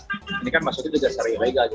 ini kan maksudnya juga seri ilegal juga